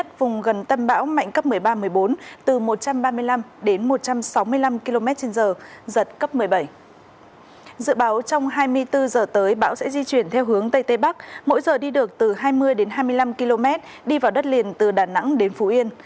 dự báo trong hai mươi bốn h tới bão sẽ di chuyển theo hướng tây tây bắc mỗi giờ đi được từ hai mươi đến hai mươi năm km đi vào đất liền từ đà nẵng đến phú yên